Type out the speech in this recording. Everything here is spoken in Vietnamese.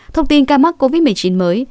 thông tin ca mắc covid một mươi chín mới